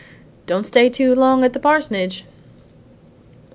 Don't stay too long at the parsonage!"